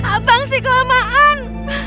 abang sih kelamaan